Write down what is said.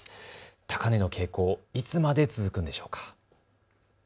高値の傾向、いつまで続くんでしょうか。